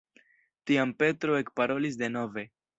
Tiam Petro ekparolis denove.